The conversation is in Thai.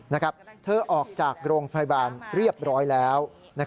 เธอออกจากโรงพยาบาลเรียบร้อยแล้ว